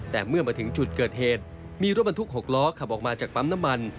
แต่เมื่อมาถึงจุดเกิดเหตุมีรถบรรทุก๖ล้อขับออกมาจากปั๊มน้ำมัน